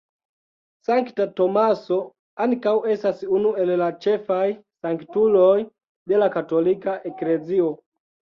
Sankta Tomaso ankaŭ estas unu el la ĉefaj sanktuloj de la Katolika Eklezio.